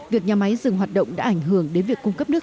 việc nhà máy dừng hoạt động đã ảnh hưởng đến việc cung cấp nước